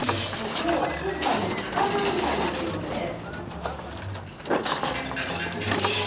きょうはスーパーの魚売り場に注目です。